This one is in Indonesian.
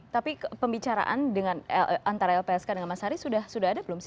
tapi pembicaraan antara lpsk dengan mas haris sudah ada belum sih